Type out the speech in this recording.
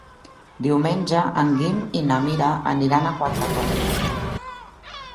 Diumenge en Guim i na Mira aniran a Quatretonda.